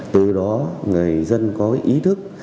từ đó người dân có ý thức